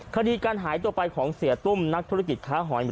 คดีการหายตัวไปของเสียตุ้มนักธุรกิจค้าหอย